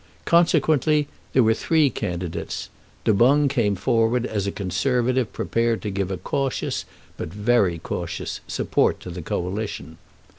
Consequently there were three candidates. Du Boung came forward as a Conservative prepared to give a cautious, but very cautious, support to the Coalition.